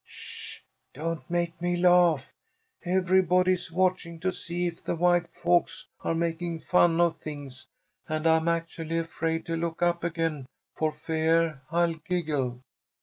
"Sh! Don't make me laugh! Everybody is watching to see if the white folks are making fun of things, and I'm actually afraid to look up again for feah I'll giggle.